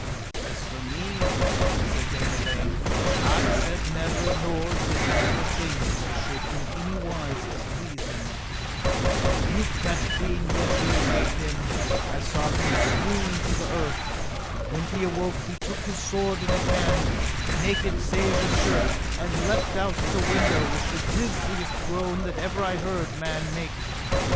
As for me, said Dame Elaine, I said never nor did never thing that should in any wise displease him, but with the rebuke that Queen Guenever gave him I saw him swoon to the earth; and when he awoke he took his sword in his hand, naked save his shirt, and leapt out at a window with the grisliest groan that ever I heard man make.